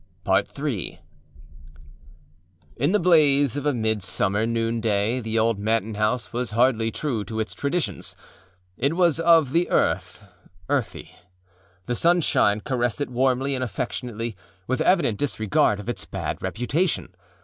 III In the blaze of a midsummer noonday the old Manton house was hardly true to its traditions. It was of the earth, earthy. The sunshine caressed it warmly and affectionately, with evident disregard of its bad reputation.